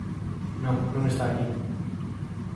Non, non está aquí.